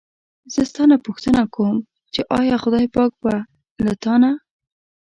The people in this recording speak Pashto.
زه ستا نه پوښتنه کووم چې ایا خدای پاک به له تا نه.